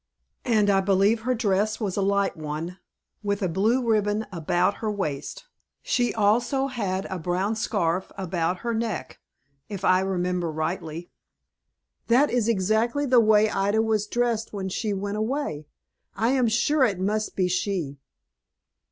"And I believe her dress was a light one, with a blue ribbon about her waist. She also had a brown scarf about her neck, if I remember rightly." "That is exactly the way Ida was dressed when she went away. I am sure it must be she."